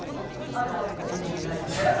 あじゃあＮＧで大丈夫です。